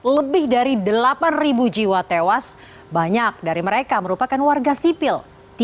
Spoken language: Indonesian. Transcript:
lebih dari delapan jiwa tewas banyak dari mereka merupakan warga sipil